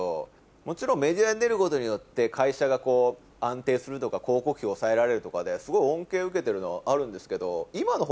もちろんメディアに出ることによって会社が安定するとか広告費抑えられるとかですごい恩恵を受けてるのはあるんですけど。